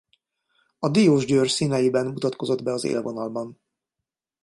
A Diósgyőr színeiben mutatkozott be az élvonalban.